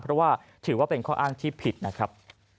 เพราะว่าถือว่าเป็นข้ออ้างที่ผิดนะครับ